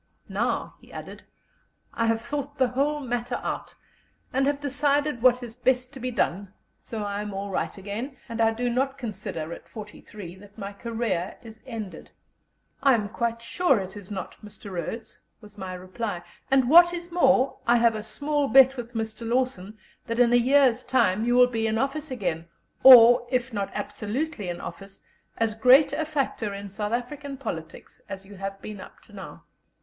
"Now," he added, "I have thought the whole matter out, I have decided what is best to be done, so I am all right again, and I do not consider at forty three that my career is ended." "I am quite sure it is not, Mr. Rhodes," was my reply; "and, what is more, I have a small bet with Mr. Lawson that in a year's time you will be in office again, or, if not absolutely in office, as great a factor in South African politics as you have been up to now."